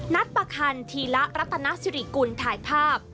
นัดประคันธีระรัตนสิริกุลถ่ายภาพ